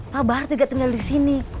pak bahar juga tinggal disini